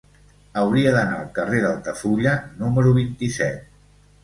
Hauria d'anar al carrer d'Altafulla número vint-i-set.